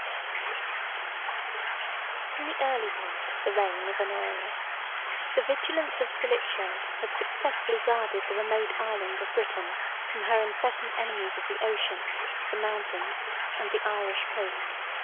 ] In the early part of the reign of Honorius, the vigilance of Stilicho had successfully guarded the remote island of Britain from her incessant enemies of the ocean, the mountains, and the Irish coast.